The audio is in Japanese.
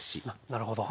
なるほど。